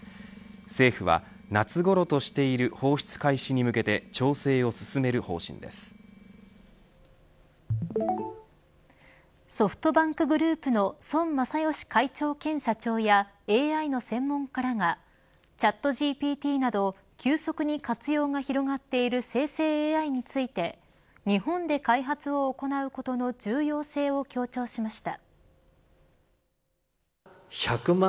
政府は夏ごろとしている放出開始に向けてソフトバンクグループの孫正義会長兼社長やＡＩの専門家らがチャットＧＰＴなど急速に活用が広がっている生成ＡＩについて日本で開発を行うことの重要性を強調しました。